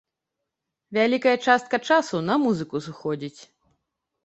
Вялікая частка часу на музыку сыходзіць.